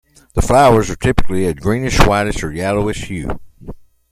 The flowers are typically a greenish, whitish, or yellowish hue.